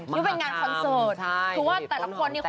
นี่เป็นงานคอนเสิร์ตคือว่าแต่ละคนเนี่ย